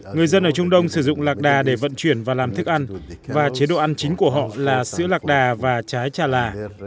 người dân ở trung đông sử dụng lạc đà để vận chuyển và làm thức ăn và chế độ ăn chính của họ là sữa lạc đà và trái trà lạ